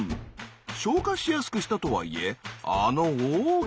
消化しやすくしたとはいえあの大きな体。